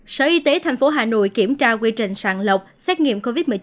sở y tế thành phố hà nội kiểm tra quy trình sàng lọc xét nghiệm covid một mươi chín